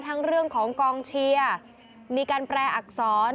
เรื่องของกองเชียร์มีการแปลอักษร